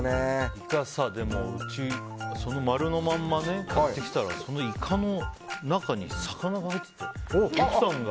イカさうち、丸のまんま買ってきたらそのイカの中に魚が入ってて奥さんが。